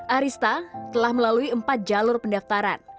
arista telah melalui empat jalur pendaftaran